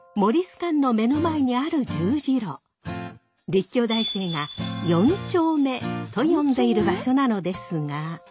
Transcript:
立教大生が「四丁目」と呼んでいる場所なのですが。